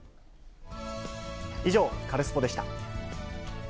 以上、カルスポっ！でした。